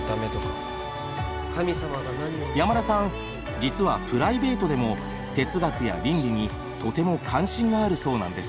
山田さん実はプライベートでも哲学や倫理にとても関心があるそうなんです。